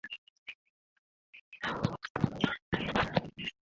তিনি সস্তা ধরনের ভডেভিল ও ফটোপ্লের ভেন্যু হিসেবে ব্যবহার করতেন।